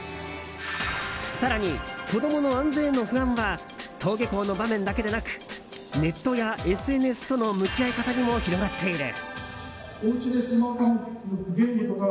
更に子供の安全への不安は登下校の場面だけでなくネットやＳＮＳとの向き合い方にも広がっている。